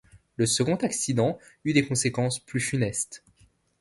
Le second accident eut des conséquences plus funestes.